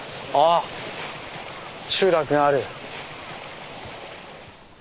あ集落がある。